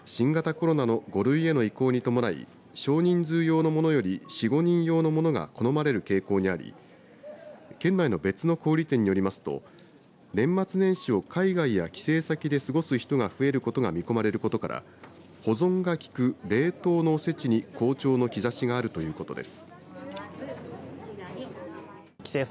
また新型コロナの５類への移行に伴い少人数用のものより４、５人用のものが好まれる傾向にあり県内の別の小売店によりますと年末年始を海外や帰省先で過ごす人が増えることが見込まれることから保存が効く冷凍のおせちに好調の兆しがあるということです。